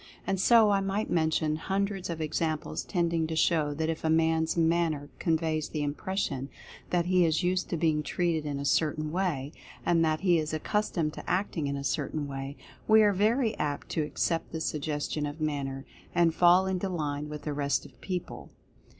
And so I might mention hun dreds of examples tending to show that if a man's manner conveys the impression that he is used to being treated in a certain way, and that he is accus tomed to acting in a certain way, we are very .apt to accept the Suggestion of Manner, and fall into line with the rest of people.